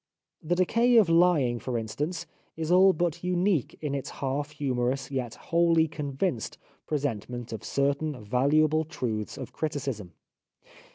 ' The Decay of Lying,' for instance, is all but unique in its half humorous, yet wholly convinced, presentment of certain valuable truths of criticism.